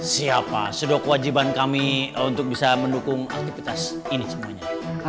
siapa sudah kewajiban kami untuk bisa mendukung aktivitas ini semuanya